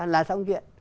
là xong chuyện